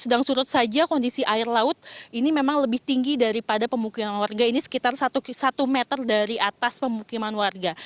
sedang surut saja kondisi air laut ini memang lebih tinggi daripada pemukiman warga ini sekitar satu meter dari atas pemukiman warga